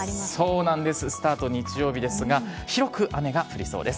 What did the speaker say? そうなんです、スタート日曜日ですが、広く雨が降りそうです。